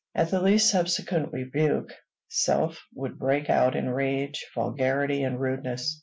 At the least subsequent rebuke, self would break out in rage, vulgarity, and rudeness.